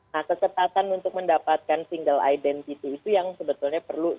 nah kesetatan untuk mendapatkan single identity itu yang sebetulnya perlu